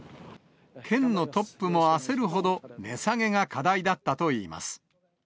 県のトップも焦るほど、値下げが課題だったといいます。